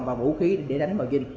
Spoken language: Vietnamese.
và vũ khí để đánh vào dân